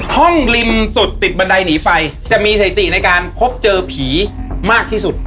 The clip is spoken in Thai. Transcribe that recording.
ริมสุดติดบันไดหนีไปจะมีสถิติในการพบเจอผีมากที่สุด